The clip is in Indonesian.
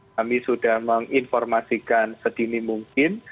kami sudah menginformasikan sedini mungkin